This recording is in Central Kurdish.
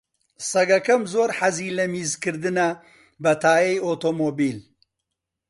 سەگەکەم زۆر حەزی لە میزکردنە بە تایەی ئۆتۆمۆبیل.